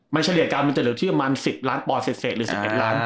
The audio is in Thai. เฉลี่ยกันมันจะเหลือที่ประมาณ๑๐ล้านปอนเศษหรือ๑๑ล้าน